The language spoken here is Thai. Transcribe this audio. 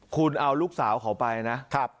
คุณเอาลูกสาวเขาไปนะ